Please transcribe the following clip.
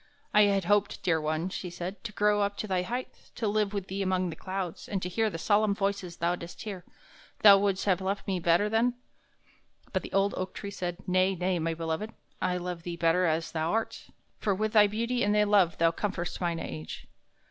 "I had hoped, dear one," she said, "to grow up to thy height, to live with thee among the clouds, and to hear the solemn voices thou didst hear. Thou wouldst have loved me better then?" But the old oak tree said: "Nay, nay, my beloved; I love thee better as thou art, for with thy beauty and thy love thou comfortest mine age."